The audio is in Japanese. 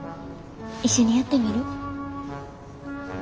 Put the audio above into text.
一緒にやってみる？